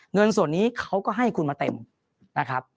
เงินส่วนนี้เขาก็ให้คุณมาเต็มนะครับ